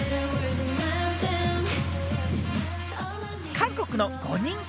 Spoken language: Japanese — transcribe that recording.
韓国の５人組